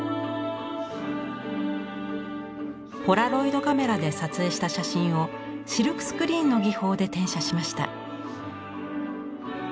ポラロイドカメラで撮影した写真をシルクスクリーンの技法で転写しました。